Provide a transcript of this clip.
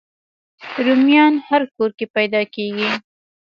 رومیان هر کور کې پیدا کېږي